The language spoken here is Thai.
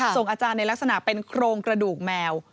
อาจารย์ในลักษณะเป็นโครงกระดูกแมว